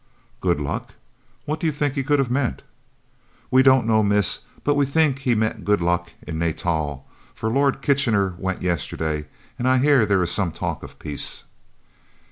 "Good luck! What do you think he could have meant?" "We don't know, miss, but we think he meant good luck in Natal, for Lord Kitchener went yesterday and I hear there is some talk of peace."